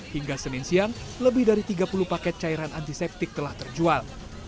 hingga senin siang lebih dari tiga puluh paket cairan antiseptik telah terjual